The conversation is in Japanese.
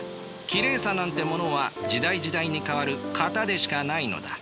きれいさなんてものは時代時代に変わる型でしかないのだ。